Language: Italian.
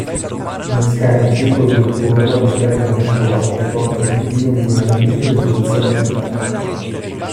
Innescare un circolo virtuoso all'interno della scuola che porti al continuo miglioramento delle soluzioni adottate.